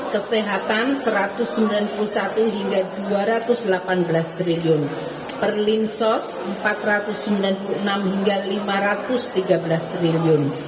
kesehatan rp satu ratus sembilan puluh satu hingga rp dua ratus delapan belas triliun per linsos rp empat ratus sembilan puluh enam hingga rp lima ratus tiga belas triliun